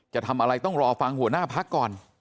จะทำอะไรต้องรอฟังหัวหน้าพักก่อน